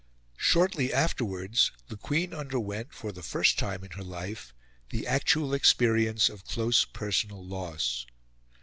Shortly afterwards the Queen underwent, for the first time in her life, the actual experience of close personal loss.